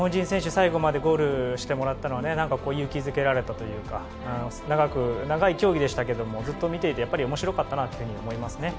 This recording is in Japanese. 最後までゴールしたというのは勇気付けられたというか長い競技でしたけどずっと見ていて面白かったなと思いましたね。